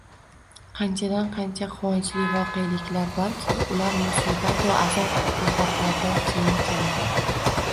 Qanchadan-qancha quvonchli voqeliklar borki, ular musibatu azob-uqubatlardan keyin keladi!